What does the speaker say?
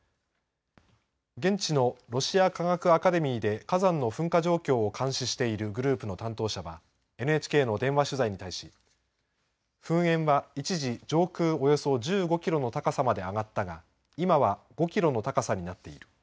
現地のロシア科学アカデミーで火山の噴火状況を監視しているグループの担当者はＮＨＫの電話取材に対し噴煙は一時上空およそ１５キロの高さまで上がったが今は５キロの高さになっている。